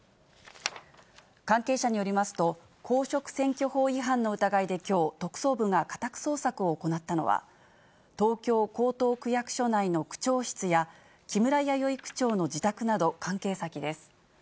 関係者によりますと、公職選挙法違反の疑いできょう、特捜部が家宅捜索を行ったのは、東京・江東区役所内の区長室や、木村弥生区長の自宅など関係先です。